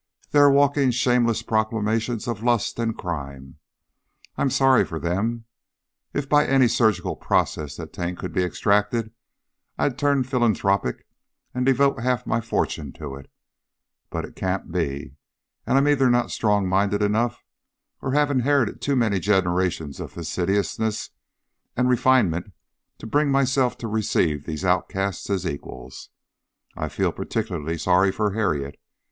They are walking shameless proclamations of lust and crime. I'm sorry for them. If by any surgical process the taint could be extracted, I'd turn philanthropic and devote half my fortune to it; but it can't be, and I'm either not strong minded enough, or have inherited too many generations of fastidiousness and refinement to bring myself to receive these outcasts as equals. I feel particularly sorry for Harriet.